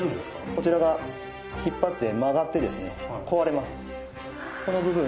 こちらが引っ張って曲がって壊れます。